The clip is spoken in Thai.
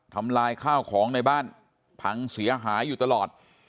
ทำลายข้าวของในบ้านพังเสียหายอยู่ตลอด